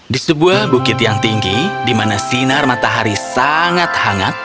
di sebuah bukit yang tinggi di mana sinar matahari sangat hangat